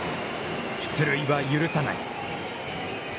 出塁は許さない。